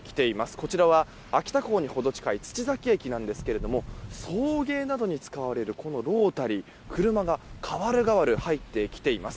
こちらは秋田港に程近い土崎駅なんですが送迎などに使われるこのロータリー車が代わる代わる入ってきています。